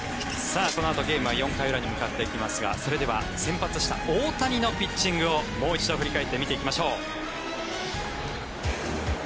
このあとゲームは４回の裏に向かっていきますがそれでは先発した大谷のピッチングをもう一度振り返って見ていきましょう。